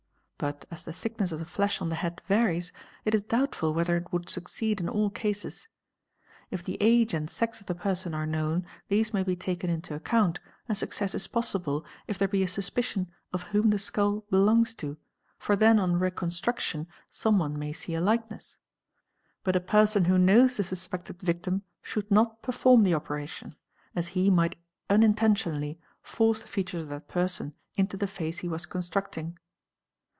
But as the thickness of the flesh on the head varies, it is doubtful whether it would succeed in all cases. If the age and sex of the person are known these may be taken into account and success is possible if there be a suspicion of whom the skull belongs to, for then on _ reconstruction some one may see a likeness; but a person who knows the | "suspected victim should not perform the operation, as he might un intentionally force the features of that person into the face he was constructing.